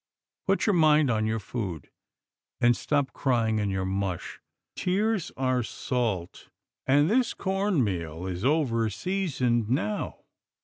Put your mind on your food, and stop 182 'TILDA JANE'S ORPHANS crying in your mush. Tears are salt, and this corn meal is overseasoned now."